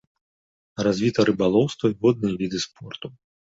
Развіта рыбалоўства і водныя віды спорту.